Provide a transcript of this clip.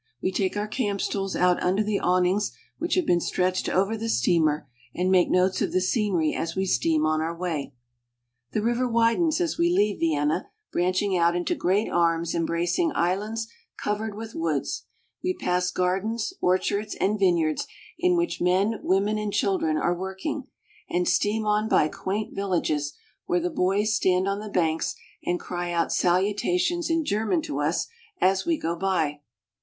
We take our camp stools out under the awnings which have been stretched over the steamer, and make notes of the scenery as we steam on our way. The river widens as we leave Vienna, branching out into great arms embracing islands covered with woods. We pass gardens, orchards, and vineyards in which men, women, and children are working, and steam on by quaint villages where the boys stand on the banks and cry out salutations in German to us as we go by.